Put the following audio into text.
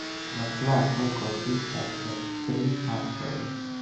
La plato konsistas el tri partoj.